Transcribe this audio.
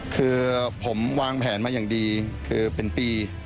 คือผมวางแผนมาอย่างดีคือเป็นปี